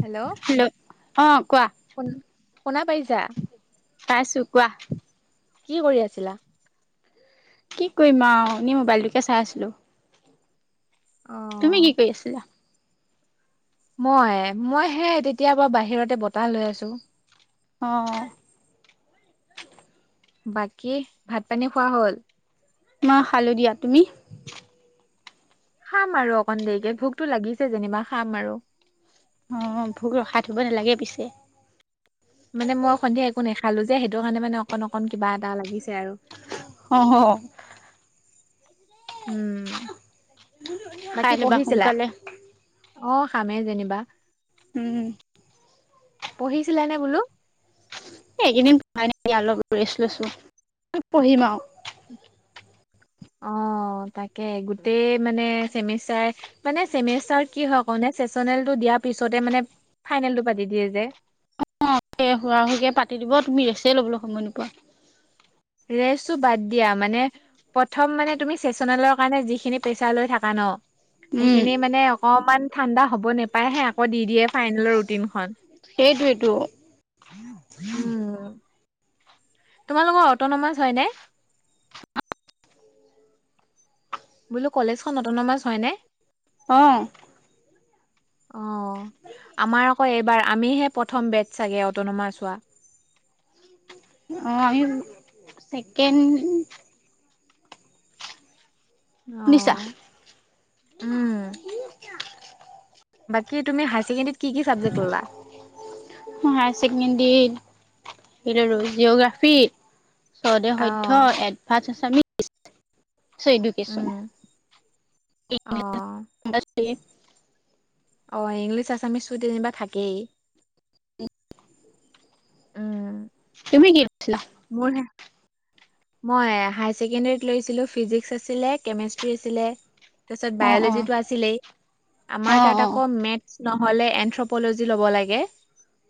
Hello অ কোৱা শুনা পাইছা? পাইছোঁ কোৱা। কি কৰি আছিলা? কি কৰিম আৰু এনেই মোবাইলটোকে চাই আছিলোঁ। অ', তুমি কি কৰি আছিলা? মই, মই হে তেতিয়া পৰা বাহিৰতে বতাহ লৈ আছোঁ। অ' অ' বাকী ভাত পানী খোৱা হ'ল? মই খালো দিয়া, তুমি? খাম আৰু অকন দেৰিকে ভোকতো লাগিছে যেনিবা খাম আৰু। অ', ভোক ৰখাই থব নালাগে পিছে। মানে, মই সন্ধিয়া একো নেখালো যে সেইটো কাৰণে মানে অকন অকন কিবা এটা লাগিছে আৰু। অ' হ', উম, খাই বাকী ল'বা পঢ়িছিলা? সোনকালে অ', খামেই যেনিবা। উম, পঢ়িছিলা নে বোলো? এইকেইদিন পঢ়াই নাই অলপ ৰেষ্ট লৈছো পঢ়িম আৰু অ', তাকে গোটেই মানে চেমিষ্টাৰ মানে চেমিষ্টাৰ কি হয় কও নে চেচনেল টো দিয়া পিছতে মানে ফাইনেল টো পাৰা দি দিয়ে যে। অ', শুৱা শুকে পাতি দিব তুমি ৰেষ্টই ল'বলৈ সময় নোপোৱা। ৰেষ্টটো বাদ দিয়া মানে প্ৰথম মানে তুমি চেচনেলৰ কাৰণে যিখিনি পেছাৰ লৈ থাকা ন' উম সেইখিনি মানে অকমান ঠাণ্ডা হ'ব নাপায়হে আকৌ দি দিয়ে ফাইনেলৰ ৰুটিনখন সেইটোৱেইটো উম' তোমালোকৰ অট'নমাছ হয়নে? বোলো কলেজখন অট'নমাছ হয়নে? অ', অ', আমাৰ আকৌ এইবাৰ আমিহে প্ৰথম বেট চাগে অট'নামাছ হোৱা অ', আমি চেকেণ্ড শুনিছা অ', উম, বাকী তুমি হাইছেকেণ্ডৰীত কি কি চাবজেক্ট ল'লা? মই হায়াৰ ছেকেণ্ডৰীত কি ল'লো জিঅ'গ্ৰাফী চদেসধ্য অ', এডভাছ আছামি ছ' এডুকেশ্বন উম, অ', [unintelligible] অ', ইংলিছ আছামিছটো যেনিবা থাকেই উম, তুমি কি উঠিলা? মোৰ হে মই হায়াৰ ছেকেণ্ডেৰীত লৈছিলোঁ ফিজিক্স আছিলে কেমেষ্ট্ৰি আছিলে তাৰপিছত অ অ বায়লজিটো আছিলেই অ আমাৰ তাত অ আকৌ মেথ নহ'লে এন্থ্ৰপলজি ল'ব লাগে।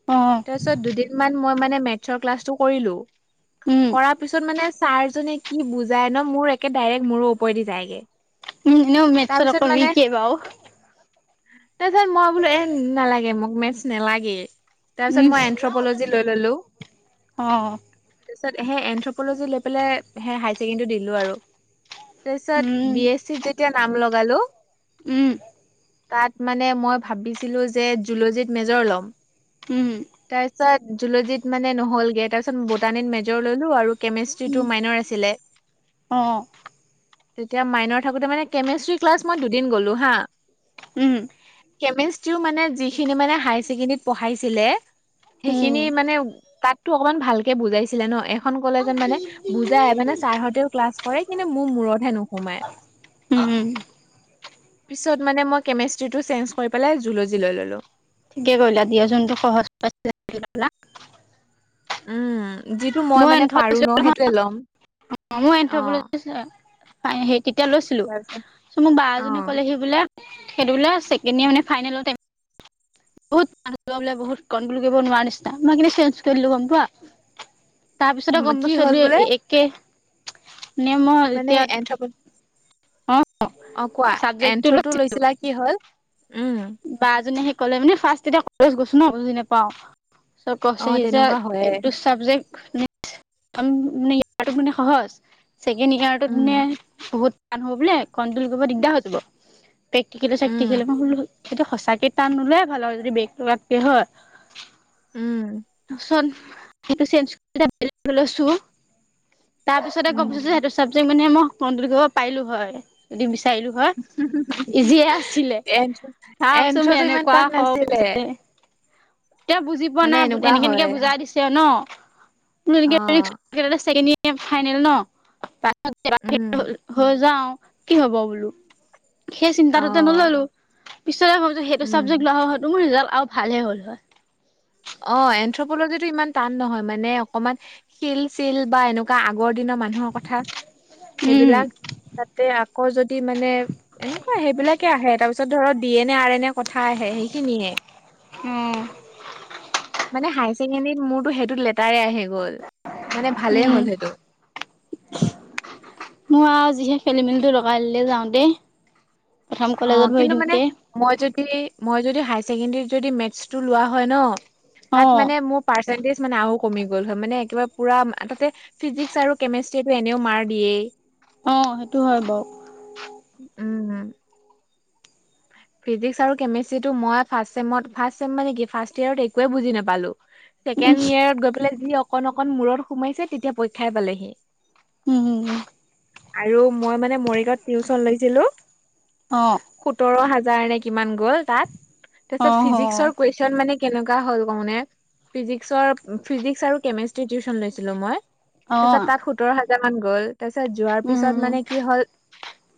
অ', অ'। তাৰ পিছত দুদিন মান মই মানে মেতছৰ ক্লাছটো কৰিলো। উম কৰাৰ পিছত মানে ছাৰজনে কি বুজাই ন মোৰ একে ডাইৰেক্ট মূৰৰ ওপৰেদি যায়গে। ইন এনেও মেতছত তাৰপিছত অকমান মানে উইকে বাৰু। তাৰপিছত মই বোলো এ নালাগে মোক মেতছ নালাগেই। তাৰ উম পিছত মই এথ্ৰপলজি লৈ ললো। অ', অ'। তাৰ পিছত সেই এন্থ্ৰপলজি লৈ পেলাই সে হায়াৰ ছেকেণ্ডেৰীটো দিলো আৰু। তাৰপিছত উম বি এছ চিত যেতিয়া নাম লগালো। উম। তাত মানে মই ভাবিছিলো যে জুলজিত মেজৰ ল'ম। উম। তাৰ পিছত জুলজিত মানে নহ'লগে তাৰপিছত ব'টানীত মেজৰ ললো আৰু উম কেমিষ্ট্ৰিটো মাইনৰ আছিলে। অ তেতিয়া মাইনৰ থাকোতে মানে কেমেষ্ট্ৰি ক্লাছ মই দুদিন গ'লো হা। উম। কেমেষ্ট্ৰিও মানে যিখিনি মানে হায়াৰ ছেকেণ্ডেৰীত পঢ়াইছিলে। উম সেইখিনি মানে তাতটো অকমান ভালকে বুজাইছিলে ন এখন কলেজত মানে বুজ যায় মানে ছাৰহতেও ক্লাছ কৰে কিন্তু মোৰ মূৰতহে নোসোমায়। উম পিছত মানে মই কেমেষ্ট্ৰিটো চেঞ্জ কৰি পেলাই জুলজি লৈ ললোঁ। ঠিকে কৰিলা দিয়া যোনটো সহজ পাইছিলা সেইটো ল'লা। উম যিটো মই মানে পাৰো ন সেইটোৱে ল'ম। অ', মই এনথপলজি চাই চাই সেই তেতিয়া লৈছিলো। তাৰপিছত তাৰ পাছত মোক বা অ', এজনিয়ে ক'লে হি বোলে সেইটো বোলে ছেকেণ্ডয়েৰ মানে ফাইনেলতেই এ বহুত [unintelligible] বোলে বহুত কণ্ট্ৰল কৰিব নোৱাৰা নিচিনা মই সেকাৰণে চেঞ্জ কৰিদিলো গম পোৱা। তাৰপিছতে ম- গম কি পাইছোঁ হ'ল বোলে এইটো একে [unintelligible] এতিয়া [unintelligible] অ অ', কোৱা, চাবজেক্টটো এন্থ্ৰ'টো লৈছিলো লৈছিলা কি হ'ল? উম, বা এজনী আহি ক'লে মানে ফাৰ্ষ্ট তেতিয়া কলেজ গৈছো ন বুজি নাপাও। চ' কৈছে অ', হি যে তেনেকুৱা হয়ে এইটো স্ক চাবজেক্ট [unintelligible] মানে সহজ। ছেকেণ্ড ইয়াৰটোত টো উম, মানে বহুত টান হব বোলে কন্টোল কৰিব দিগদাৰ হৈ যাব প্ৰেক্টিকেলে উম, চেকটিকেলে মই বোলো সেইটো সঁচাকে টান নোলোৱাই ভাল আৰু যদি বেক লগাতকে হয়। উম। তাৰ পাছত সেইটো চেঞ্জ কৰি এতা বেলেগ এটা লৈছো তাৰ পিছতে গম উম, পাইছো যে সেই চে চাবজেক্ মানে মই কন্টোল কৰিব পাৰিলো হয় যদি বিচাৰিলো হয় ইজিয়ে আছিলে এন্থ্ৰ তাৰ পাচত মোৰ এন্থ্ৰটো ইমান এনেকুৱা টান খং নাছিলে উঠিছে। তিয়া বুজি পোৱা মানে নাই ব এনেকুৱা এনেকে-এনেকে হয় বুজাই দিছে আও ন, [unintelligible] অ', সেইটো টো ছেকেণ্ডয়েৰ ফাইনেল ন? উম, [unintelligible] হৈ যাও, কি হ'ব বুলো? সেই চিন্তাটোতে অ', নললো। পিছতে ভাবিছোঁ সেইটো চাবজেক উম, লোৱা হলে হয়টো মোৰ ৰিজাল্ আৰু ভালহে হ'ল হয়। অ এন্থ্ৰপলজিটো ইমান টান নহয় মানে অকমান শিল চিল বা এনেক কা আগৰ দিনৰ মানুহৰ কথাত উম সেইবিলাক তাতে আকৌ যদি মানে- এনকুৱা সেইবিলাকে আহে তাৰপিছত ধৰক দিয়ে এনে আৰ এনে কথা আহে সেইখিনিহে। উম মানে হায় ছেকেণ্ডৰীত মোৰতটো সেইটো লেটাৰে আহি গ'ল মানে ভালেই হ'ল সেইটো। মো আও যিহে খেলি মেলিটো লগাই, দিলে যাওতে। প্ৰথম অ' কলেজত কিন্তু ভৰি মানে দিওঁতে। মই যদি, মই যদি হায় ছেকেণ্ডৰীত যদি মেথছটো লোৱা হয় ন, তাত অ মানে মোক- পাৰ্চেন্টেজ মানে আৰু কমি গ'ল হয় মানে একেবাৰে পুৰা তাতে- ফিজিক্স আৰু কেমেষ্ট্ৰিয়েটো এনেও মাৰ দিয়েই। অঁ' সেইটো হয় বাও। উম, উম'। ফিজিক্স আৰু কেমেষ্ট্ৰিটো, মই ফাচ চেমত ফাৰ্চ চেম মানে কি ফাৰ্ষট ইয়েৰত একোৱে বুজি নাপালো। উম ছেকেণ্ড ইয়েৰত গৈ পেলাই যি অকণ অকণ মূৰত সোমাইছে তেতিয়া পৰীক্ষাই পালেহি। উম, হুম, হুম। আৰু মই মানে মৰিগাঁৱত টিউচন লৈছিলো। অঁ' সোতৰ হাজাৰ নে কিমান গ'ল তাত। অ তাছত অ ফিজিকচৰ কুৱেছ- চন মানে কেনেকা হ'ল কওনে্? ফিজিকসৰ, ফিজিক্স আৰু কেমেষ্ট্ৰিৰ টিউশন লৈছিলো মই। অ তাছত তাত সোতৰ হাজাৰ মান গ'ল, তাৰপিছত যোৱাৰ উম পিছত মানে কি হল,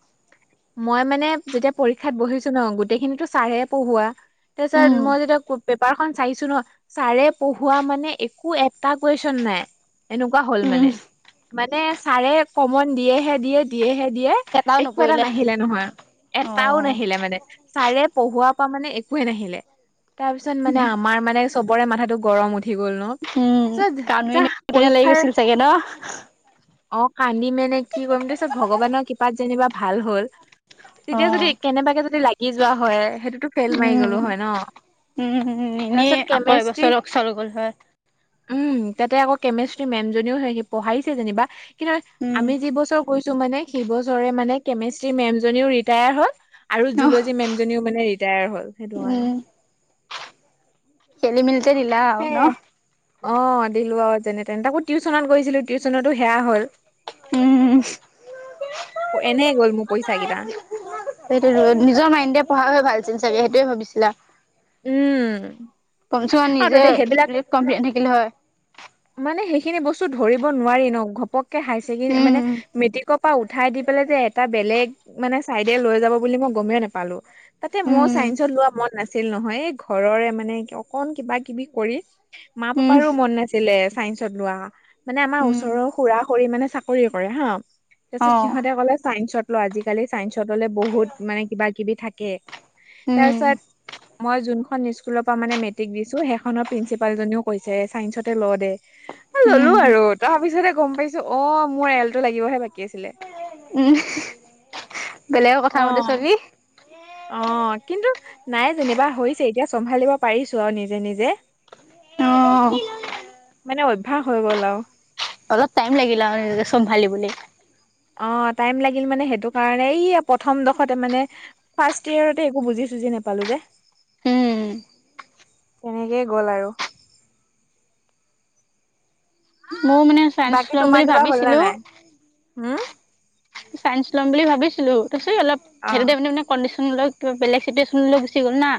- মই মানে যেতিয়া, পৰীক্ষাত বহিছো ন গোটেইখিনিটো ছাৰে পঢ়োৱা। উম তাপিছত মই য়েতিয়া কুদ- পেপাৰখন চাইছো ন, ছাৰে পঢ়োৱা মানে একো এটা কুৱেশচন নাই। এনেকুৱা হ'ল উম মানে, মানে ছাৰে কমন দিয়েহে দিয়ে- দিয়েহে দিয়ে। এটাও একো এটা নপৰিলে নাহিলে নহয় অ এটাও নাহিলে মানে। ছাৰে পঢ়োৱা পা মানে একোৱে নাহিলে। তাৰ পিছত মানে আমাৰ মানে চবৰে মাথাটো- গৰম উঠি গ'ল ন। উম থেত কানুৱে যাহ নিয়া লাগি পৰীক্ষাৰ- গৈছিল চাগে ন অঁ কান্দি মেনে কি কৰিম তাপিছত ভগৱানৰ কৃপাত যেনিবা ভাল হল। অ তেতিয়া যদি কেনেবাকে যদি লাগি যোৱা হয় সেইটোতো- ফেইল মাৰি উম গ'লো হয় ন! উম এনেই তাৰপিছত আকৌ এবছৰ কেমেষ্ট্ৰি- অকচল গ'ল হয় উম, তাতে আকৌ কেমেষ্ট্ৰি মেমজনীও সেই পঢ়াইছে যেনিবা- কিন্তু, উম আমি যি বছৰ কৈছো মানে, সেই বছৰে মানে কেমেষ্ট্ৰি মেম জনীও ৰিটায়াৰ হল। আৰু অ জুলজিৰ মেমজনীও মানে ৰিটায়াৰ হল সেইটো কাৰণে। খেলিমেলিতে দিলা আৰু ন। অঁ দিলো আৰু যেনে তেনে তাকো টিউশচনত গৈছিলো টিউচনতো সেয়া হ'ল। উম উম' এনে গ'ল মোৰ পইচা কেইটা সেইটোৱেটো নিজৰ মাইণ্ডে পঢ়া হলে ভাল আছিল চাগে সেইটোয়ে ভাবিছিলা। উম কমচেকম আৰু নিজে তাতে সেইবিলাক কমপ্লিট থাকিলে হয়। মানে সেইখিনি বস্তু ধৰিব নোৱাৰি ন ঘপকে হাই চেকেণ্ডৰী মানে উম মেট্ৰিক- পা উঠাই দি পেলাই যে এটা বেলেগ মানে চাইডে লৈ যাব বুলি মই গমেই নাপালো। তাতে ময় উম চাইন্সত লোৱা মন নাছিল নহয়। এই ঘৰৰে মানে অকন কিবা কিবি কৰি- মা উম পাপাৰো মন নাছিলে চাইন্সত লোৱা। মানে আমাৰ উম ওচৰ- খুৰা খুৰি মানে চাকৰি কৰে হাঁ, তাপিছত অ', সিহঁতে কলে চাইন্সত- ল আজিকালি চাইন্সত ললে বহুত মানে কিবা কিবি থাকে। তাৰ উম, পিছত, মই যোনখন স্ক- স্কুল পা মানে মেট্ৰিক দিছো সেইখন প্ৰিন্সিপালজনেও কৈছে চাইন্সতে ল দে। ললো উম, আৰু তাৰ পিছতে গম পাইছো অ মোৰ এলটো লাগিবহে বাকী আছিলে উম বেলেগৰ কথা অ মতে চলি অ কিন্তু নাই যেনিবা হৈছে এতিয়া চম্ভালিব পাৰিছো আৰু নিজে নিজে অঁ অঁ অঁ মানে অভ্যাস হৈ গ'ল আৰু অলপ টাইম লাগিলে আৰু নিজে চম্ভালিবলে অ টাইম লাগিল মানে সেইটো কাৰণে এই প্ৰথম দোখৰতে মানে ফাৰ্ষ্ট ইয়েৰতে একো বুজি চুজি নাপালো যে উম উম তেনেকেই গ'ল আৰু ময়ো মানে চায়েন্স ল'ম বুলি ভাবিছিলোঁ হম চাইন্স ল'ম বুলি ভাবিছিলো তাৰপিছত অলপ অ সেইটোতে মানে কণ্ডিচন টো অলপ বেলেগ চিটুৱেচন লৈ গুচি গ'ল না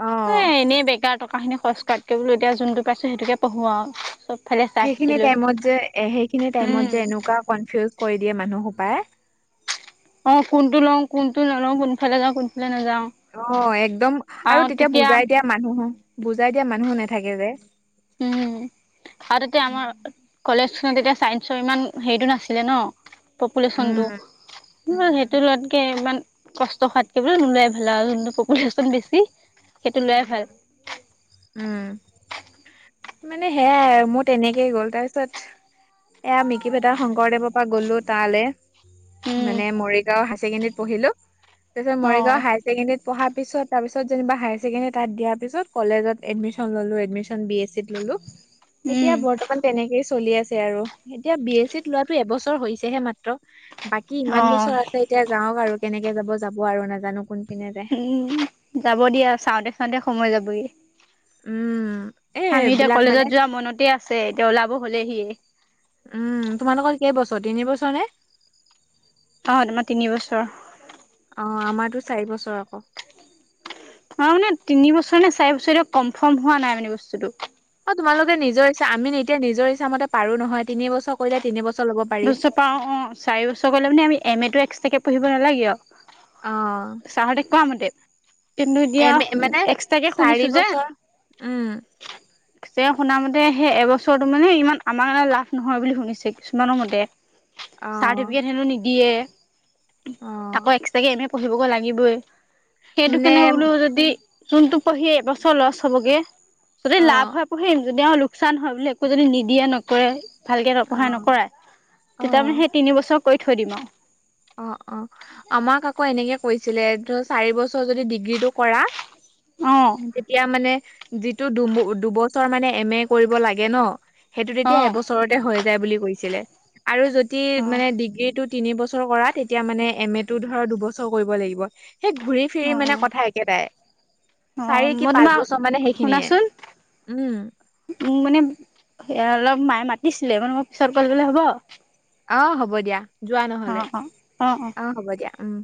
অ এ এনেই বেকাৰ টকাখিনি খৰচ কৰাতকে বোলো এতিয়া যোনটো পাইছোঁ সেইটোকে পঢ়োঁ আৰু চব সেইখিনি টাইমত যে এ সেইখিনি টাইমত উম, যে এনেকুৱা কনফিউজ কৰি দিয়ে মানুহ সোপাই অ কোনটো লওঁ কোনটো নলওঁ কোনফালে যাওঁ কোনফালে নাযাওঁ অ একদম আৰু তেতিয়া বুজাই দিয়া মানুহো বুজাই দিয়া মানুহো নাথাকে যে উম উ আৰু তেতিয়া উম, আমাৰ কলেজখনত তেতিয়া চাইন্সৰ ইমান হেৰিটো নাছিলে ন পপুলেশ্যনটো উম, সেইটো উম, লোৱাতকে ইমান কষ্ট খোৱাতকে বোলো নোলোৱাই ভাল আৰু যোনটো পপুলেশ্যন বেছি সেইটো লোৱাই ভাল উম মানে সেয়াই মোৰ তেনেকেই গ'ল তাৰপিছত এয়া মিকি ভেদা শংকৰদেৱৰ পৰা গলো তালে উম মানে মৰিগাঁও হাই ছেকেণ্ডৰীত পঢ়িলো তাৰপিছত অঁ মৰিগাঁও হাই ছেকেণ্ডেৰীত পঢ়াৰ পিছত তাৰ পিছত যেনিব হাই চেকেণ্ডেৰী তাত দিয়া পিছত কলেজত এডমিচন ললো এডমিচন বি এছ চিত ললো এতিয়া উম বৰ্তমান তেনেকেই চলি আছে আৰু এতিয়া বি এছ চিত লোৱাটো এবছৰ হৈছেহে মাত্ৰ বাকী ইমান অঁ বছৰ আছে এতিয়া যাওক আৰু কেনেকে যাব যাব আৰু নাজানো কোনপিনে যায় উম যাব দিয়া চাওঁতে চাওঁতে সময় যাবগে উম এ আমি এতিয়া এইবিলাক মানে কলেজত যোৱা মনতে আছে এতিয়া ওলাব হলেহিয়ে উম তোমালোকৰ কেই বছৰ তিনি বছৰ নে অ তোমাৰ তিনি বছৰ অ আমাৰটো চাৰি বছৰ আকৌ অ মানে তিনি বছৰ নে চাৰি বছৰে এতিয়া কনফাৰ্ম হোৱা নাই মানে বস্তুটো অ তোমালোকে নিজৰ ইচ্ছা আমি এতিয়া নিজৰ ইচ্ছামতে পাৰো নহয় তিন বছৰ কৰিলে তিনি বছৰ লব পাৰিম দুবছৰ পাওঁ অ চাৰি বছৰ গ'লে মানে আমি এম এটো এক্সট্ৰাকৈ পঢ়িব নালাগে আৰু অ তাহঁতে কোৱামতে কিন্তু এতিয়া এ মানে এক্সট্ৰাকে চাৰি শুনিছো যে বছৰ উম যে শুনা মতে সেই এবছৰটো মানে ইমান আমাৰ কাৰণে লাভ নহয় বুলি শুনিছো কিমানৰ মতে অ চাৰ্টিফিকেট হেনো নিদিয়ে অ আকৌ এক্স তাকে এম এ পঢ়িবগৈ লাগিবই সেইটো মানে কেনে বোলো যদি যোনটো পঢ়ি এবছৰ লছ হ'বগে যদি অ লাভ হয় খুলিম যদি আৰু লোকচান হয় বুলি একো যদি নিদিয়ে নকৰে ভালকে অ নপঢ়ায় নকৰাই। অ তেতিয়া মানে সেই তিন বছৰ কৰি থৈ দিম আৰু। অ', অ', আমাক আকৌ এনেকে কৈছিলে ধ চাৰি বছৰ যদি ডিগ্ৰীটো কৰা অ তেতিয়া মানে যিটো দু দুবছৰ মানে এম এ কৰিব লাগে ন সেইটো অ তেতিয়া এবছৰত হৈ যায় বুলি কৈছিল আৰু যদি অ ডিগ্ৰী টো তিনি বছৰ তেতিয়া মানে এম এ টো ধ দুবছৰ কৰিব লাগিব সেই ঘূৰি ফিৰি অ মানে কথা একে একেটাই অ চাৰি কি মই পাঁচ তোমাক বছৰ মানে সেইখিনিয়ে শুনাচোন উম মোক মানে অলপ মায়ে মাতিছিলে মানে মই পিছত ক'লে বোলে হ'ব। অ', হ'ব দিয়া যোৱা নহ'লে অঁ অঁ অঁ অ', হ'ব দিয়া উম।